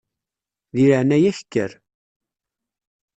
Di leɛnaya-k kker.